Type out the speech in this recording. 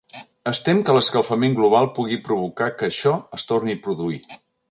Es tem que l'escalfament global pugui provocar que això es torni a produir.